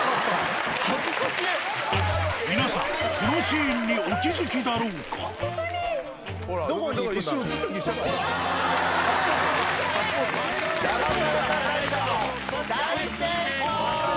皆さん、このシーンにお気付ダマされた大賞、大成功！